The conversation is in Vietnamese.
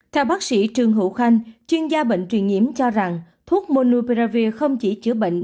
theo bác sĩ trương hữu khanh chuyên gia bệnh truyền nhiễm cho rằng thuốc monuberravir không chỉ chữa bệnh